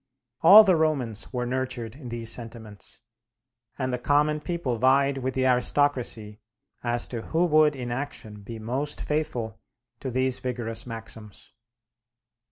All the Romans were nurtured in these sentiments, and the common people vied with the aristocracy as to who would in action be most faithful to these vigorous maxims....